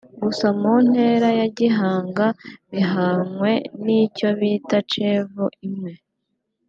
gusa mu ntera ya gihanga bihwanye n'icyo bita chevau imwe